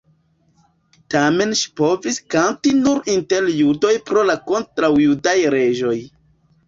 Tamen ŝi povis kanti nur inter judoj pro la kontraŭjudaj leĝoj.